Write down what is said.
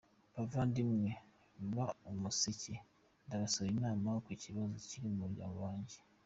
Bavandimwe ba Umuseke ndabasaba inama ku kibazo kiri mu muryango wanjye.